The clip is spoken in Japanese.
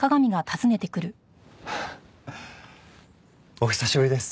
お久しぶりです